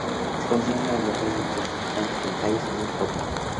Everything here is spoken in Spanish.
Se considera una de las mejores interpretaciones tanto de Callas como de Gobbi.